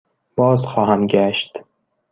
بازخواهم گشت.